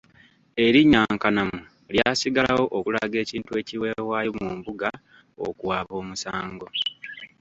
Erinnya nkanamu lyasigalawo okulaga ekintu ekiweebwayo mu mbuga okuwaaba omusango.